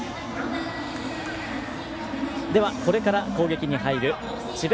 これから攻撃に入る智弁